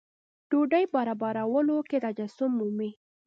ډوډۍ برابرولو کې تجسم مومي.